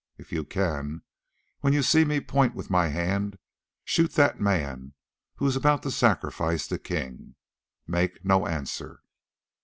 If you can, when you see me point with my hand, shoot that man who is about to sacrifice the king. Make no answer."